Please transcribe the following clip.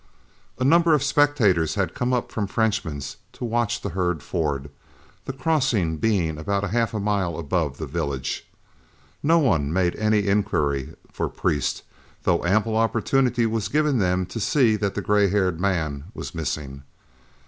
A number of spectators had come up from Frenchman's to watch the herd ford, the crossing being about half a mile above the village. No one made any inquiry for Priest, though ample opportunity was given them to see that the gray haired man was missing.